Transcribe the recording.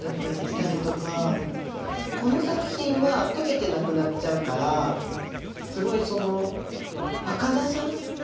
したりとかこの作品は解けてなくなっちゃうからすごいそのはかなさもあったりとか。